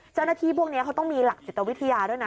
เจ้าหน้าที่พวกนี้เขาต้องมีหลักจิตวิทยาด้วยนะ